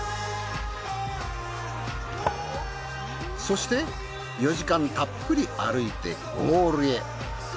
そして４時間たっぷり歩いてゴールへ。